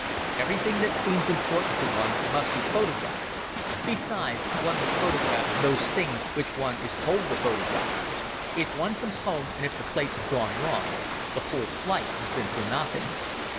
Everything that seems important to one must be photographed. Besides, one must photograph those things which one is told to photograph. If one comes home and if the plates have gone wrong, the whole flight has been for nothing.